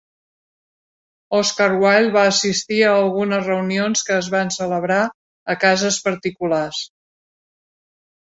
Oscar Wilde va assistir a algunes reunions que es van celebrar a cases particulars.